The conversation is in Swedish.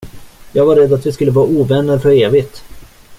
Jag var rädd att vi skulle vara ovänner för evigt.